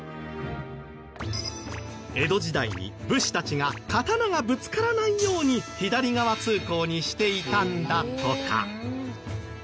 江戸時代に武士たちが刀がぶつからないように左側通行にしていたんだとか。